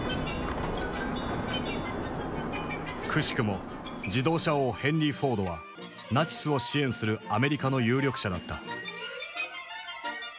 くしくも自動車王ヘンリー・フォードはナチスを支援するアメリカの有力者だった。